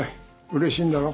うれしいんだろ？